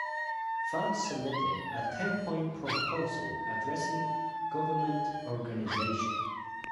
Fan submitted a ten-point proposal addressing government organization.